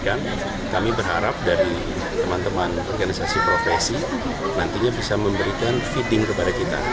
kami berharap dari teman teman organisasi profesi nantinya bisa memberikan feeding kepada kita